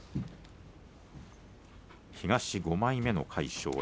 東５枚目の魁勝